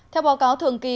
theo báo cáo thường kỳ